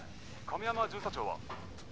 「亀山巡査長は」